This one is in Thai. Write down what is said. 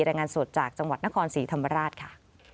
รายงานสดจากจังหวัดนครศรีธรรมราชค่ะ